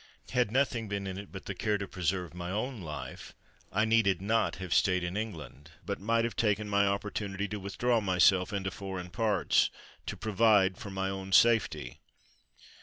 Had noth ing been in it but the care to preserve my own life, I needed not have stayed in England, but might have taken my opportunity to withdraw myself into foreign parts, to provide for my own safety.